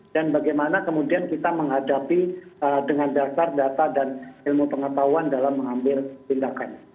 dan bagaimana kemudian kita menghadapi dengan dasar data dan ilmu pengetahuan dalam mengambil tindakan